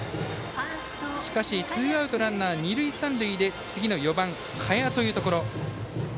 しかしツーアウトランナー、二塁三塁で次の４番、賀谷というところ。